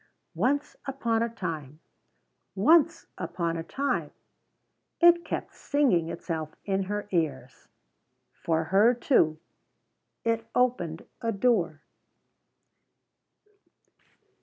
"Once upon a Time Once upon a Time" it kept singing itself in her ears. For her, too, it opened a door.